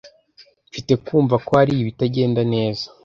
mfite kumva ko hari ibitagenda neza